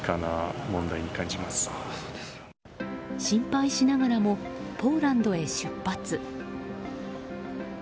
心配しながらもポーランドへ出発。